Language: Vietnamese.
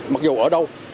mặc dù ở đâu